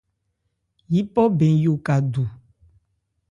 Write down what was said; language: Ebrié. Yípɔ bɛn yo ka du.